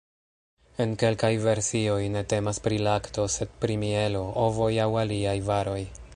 En kelkaj versioj ne temas pri lakto, sed pri mielo, ovoj aŭ aliaj varoj.